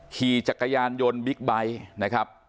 ขี่จักรยานยนต์บิ๊กไบท์นะครับ